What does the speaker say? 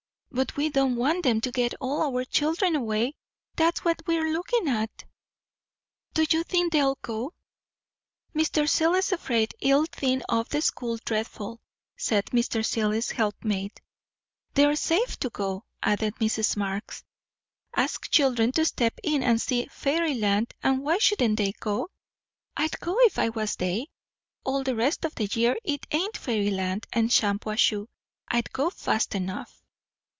But we don't want 'em to get all our chil'en away; that's what we're lookin' at." "Do you think they'd go?" "Mr. Seelye's afraid it'll thin off the school dreadful," said Mr. Seelye's helpmate. "They're safe to go," added Mrs. Marx. "Ask children to step in and see fairyland, and why shouldn't they go? I'd go if I was they. All the rest of the year it ain't fairyland in Shampuashuh. I'd go fast enough."